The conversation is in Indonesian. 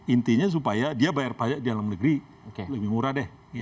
intinya supaya dia bayar pajak di dalam negeri lebih murah deh